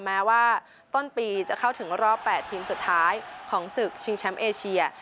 แม้ว่าต้นปีจะเข้าถึงรอบ๘ทีมสุดท้ายของศึกชิงแชมป์เอเชีย